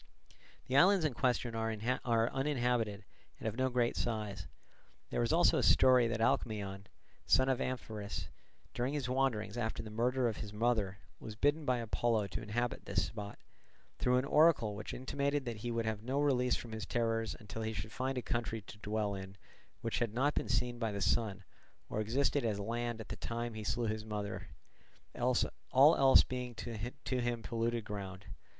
The islands in question are uninhabited and of no great size. There is also a story that Alcmaeon, son of Amphiraus, during his wanderings after the murder of his mother was bidden by Apollo to inhabit this spot, through an oracle which intimated that he would have no release from his terrors until he should find a country to dwell in which had not been seen by the sun, or existed as land at the time he slew his mother; all else being to him polluted ground.